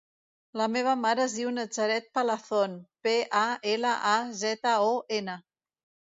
La meva mare es diu Nazaret Palazon: pe, a, ela, a, zeta, o, ena.